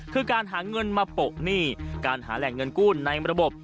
คือการหาเงินมาโปะหนี้การหาแหล่งเงินกู้ในระบบ